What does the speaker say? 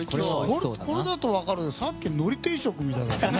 これだと分かるけどさっきのり定食みたいだったね。